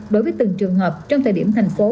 bởi từng trường hợp trong thời điểm thành phố